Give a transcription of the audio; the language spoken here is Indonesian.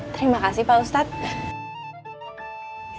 terima kasih pak ustadz